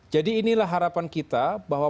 jadi inilah harapan kita bahwa